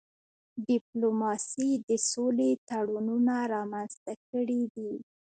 ډيپلوماسي د سولې تړونونه رامنځته کړي دي.